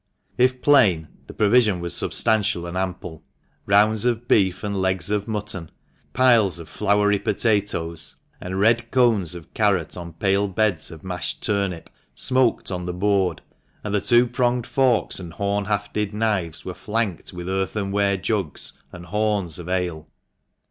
If plain, the provision was substantial and ample. Rounds of beef and legs of mutton, piles of floury potatoes, and red cones of carrot on pale beds of mashed turnip, smoked on the board, and the two pronged forks and horn hafted knives were flanked with earthenware jugs and horns of ale.